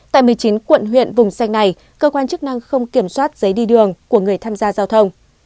tại một mươi chín quận huyện vùng xanh này cơ quan chức năng không kiểm soát giấy đi đường của người tham gia giao thông